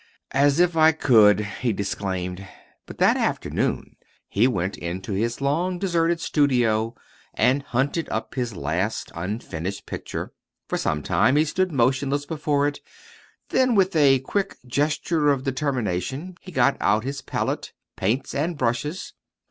"As if I could!" he disclaimed. But that afternoon he went into his long deserted studio and hunted up his last unfinished picture. For some time he stood motionless before it; then, with a quick gesture of determination, he got out his palette, paints, and brushes.